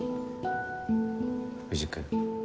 藤君